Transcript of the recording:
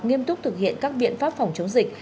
nghiêm túc thực hiện các biện pháp phòng chống dịch